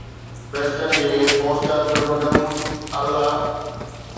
Preston جي Foster Birmingham الا